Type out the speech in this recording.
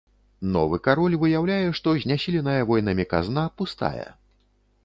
Новы кароль выяўляе, што знясіленая войнамі казна пустая.